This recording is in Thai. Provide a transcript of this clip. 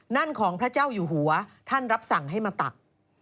นั่นของพระเจ้าอยู่หัวท่านรับสั่งให้มาตัก